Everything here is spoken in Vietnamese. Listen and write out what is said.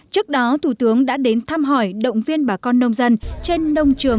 trước đó thủ tướng đã đến thăm hỏi động viên bà con nông dân trên nông trường